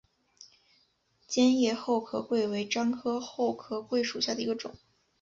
尖叶厚壳桂为樟科厚壳桂属下的一个种。